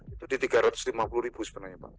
itu di tiga ratus lima puluh ribu sebenarnya pak